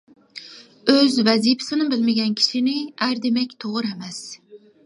ئۆز ۋەزىپىسىنى بىلمىگەن كىشىنى ئەر دېمەك توغرا ئەمەس.